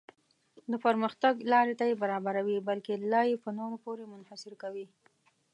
د پرمختګ لارې ته یې برابروي بلکې لا یې په نورو پورې منحصر کوي.